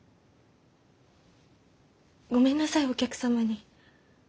ごめんなさいお客様に。